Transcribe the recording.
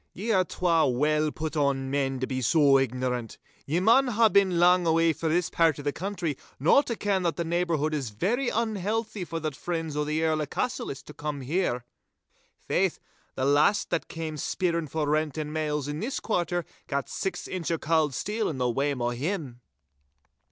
'Ye are twa well put on men to be so ignorant. Ye maun hae been lang awa' frae this pairt o' the country no to ken that the neighbourhood is very unhealthy for the friends o' the Earl o' Cassillis to come here. Faith, the last that cam' speerin' for rent and mails in this quarter gat six inch o' cauld steel in the wame o' him!